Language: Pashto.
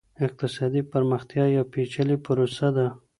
اقتصادي پرمختیا یوه پېچلې پروسه ده.